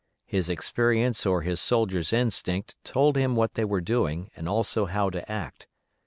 His experience or his soldier's instinct told him what they were doing and also how to act.